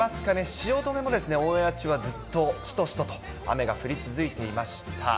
汐留もですね、オンエア中はずっとしとしとと雨が降り続いていました。